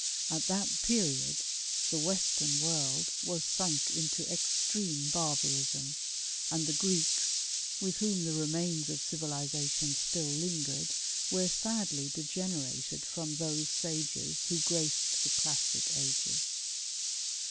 At that period the western world, was sunk into extreme barbarism, and *ke Greeks, with whom the remains of civilization still 'ingered, were sadly degenerated from those sages Ho OTaced the classic ao^es.